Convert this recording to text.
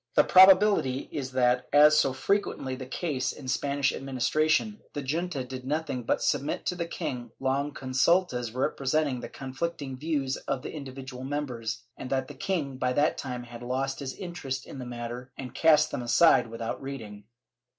The probability is that, as so frequently the case in Spanish admin istration, the junta did nothing but submit to the king long consultas representing the conflicting views of the individual members, and that the king by that time had lost his interest in the matter and cast them aside without reading.